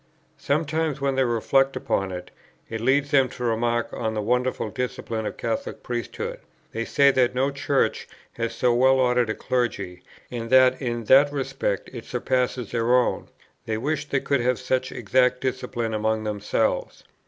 Sometimes, when they reflect upon it, it leads them to remark on the wonderful discipline of the Catholic priesthood; they say that no Church has so well ordered a clergy, and that in that respect it surpasses their own; they wish they could have such exact discipline among themselves.